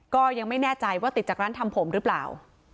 ก็ยังไม่แน่ใจว่าติดจากร้านทำผมหรือเปล่า